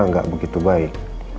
gak begitu baik